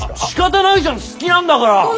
しかたないじゃん好きなんだから。